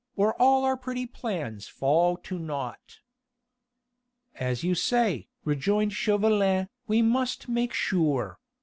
or all our pretty plans fall to nought." "As you say," rejoined Chauvelin, "we must make sure.